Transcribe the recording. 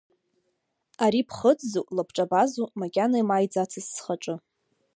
Ари ԥхыӡзу лабҿабазу макьана имааиӡацызт схаҿы.